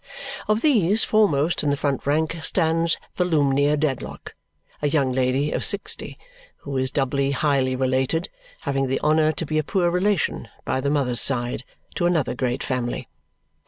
Of these, foremost in the front rank stands Volumnia Dedlock, a young lady (of sixty) who is doubly highly related, having the honour to be a poor relation, by the mother's side, to another great family.